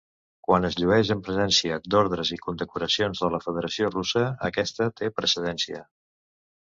Quan es llueix en presència d'ordes i condecoracions de la Federació Russa, aquesta té precedència.